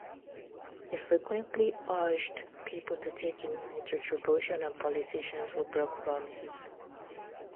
He frequently urged people to take immediate retribution on politicians who broke promises.